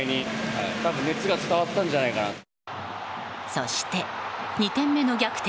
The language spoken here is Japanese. そして２点目の逆転